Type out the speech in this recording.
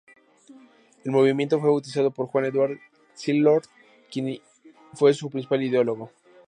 El movimiento fue bautizado por Juan Eduardo Cirlot, quien fue su principal ideólogo.